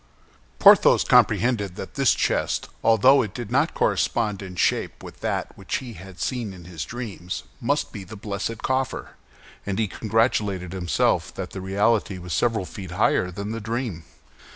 Porthos comprehended that this chest, although it did not correspond in shape with that which he had seen in his dreams, must be the blessed coffer, and he congratulated himself that the reality was several feet higher than the dream.